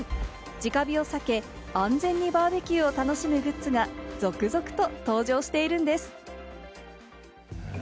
直火を避け、安全にバーベキューを楽しむグッズが続々と登場しているんです。